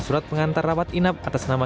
surat pengantar rawat inap atas nama